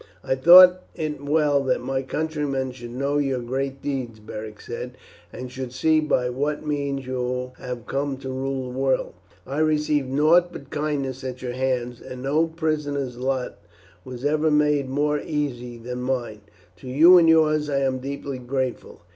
"I thought it well that my countrymen should know your great deeds," Beric said, "and should see by what means you have come to rule the world. I received nought but kindness at your hands, and no prisoner's lot was ever made more easy than mine. To you and yours I am deeply grateful.